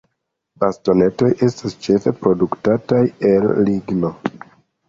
Bastonetoj estas ĉefe produktataj el ligno.